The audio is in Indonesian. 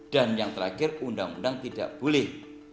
yang terakhir undang undang tidak boleh